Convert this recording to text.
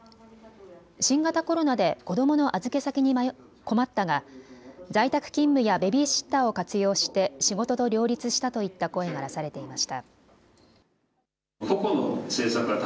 新型コロナで子どもの預け先に困ったが在宅勤務やベビーシッターを活用して仕事と両立したといった声が出されていました。